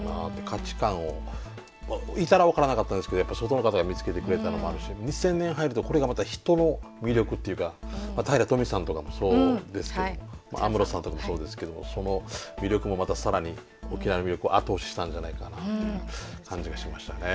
価値観をいたら分からなかったですけど外の方が見つけてくれたのもあるし２０００年入るとこれがまた人の魅力っていうか平良とみさんとかもそうですけど安室さんとかもそうですけどその魅力もまた更に沖縄の魅力を後押ししたんじゃないかなっていう感じがしましたね。